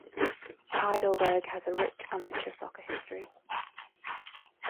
Heidelberg has a rich amateur soccer history.